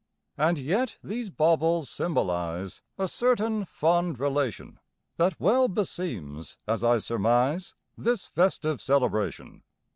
And yet these baubles symbolize A certain fond relation That well beseems, as I surmise, This festive celebration.